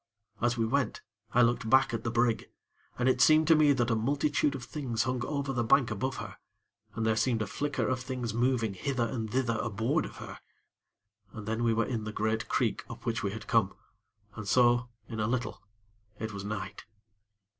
As we went I looked back at the brig, and it seemed to me that a multitude of things hung over the bank above her, and there seemed a flicker of things moving hither and thither aboard of her. And then we were in the great creek up which we had come, and so, in a little, it was night.